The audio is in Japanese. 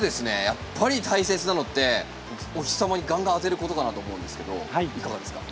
やっぱり大切なのってお日様にガンガン当てることかなと思うんですけどいかがですか？